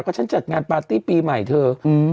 ก็ฉันจัดงานปาร์ตี้ปีใหม่เธอ